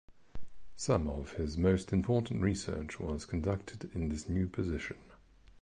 Some of his most important research was conducted in this new position.